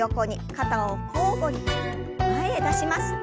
肩を交互に前へ出します。